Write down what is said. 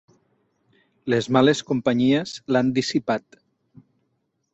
Les males companyies l'han dissipat.